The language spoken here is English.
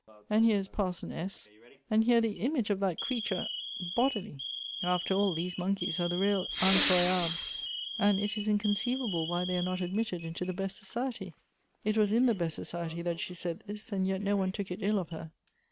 and here is Par son S., and here the image of that creature bodily ! After all, these monkeys are the real incroyables, and it is inconceivable why they are not admitted into the best society.'' It was in the best society that she said this, and yet no one took it ill of her.